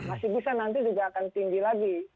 masih bisa nanti juga akan tinggi lagi